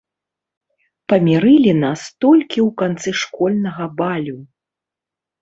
Памірылі нас толькі ў канцы школьнага балю.